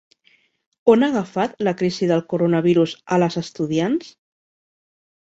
On ha agafat la crisi del coronavirus a les estudiants?